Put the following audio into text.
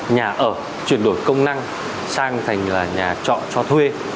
nhà ở chuyển đổi công năng sang thành là nhà trọ cho thuê